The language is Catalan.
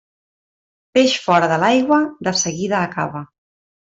Peix fora de l'aigua, de seguida acaba.